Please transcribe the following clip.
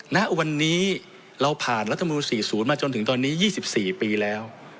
นะวันนี้เราผ่านรัฐมนุนสี่ศูนย์มาจนถึงตอนนี้ยี่สิบสี่ปีแล้ว